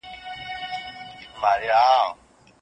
بیکاري د کارکوونکو شمېر کموي.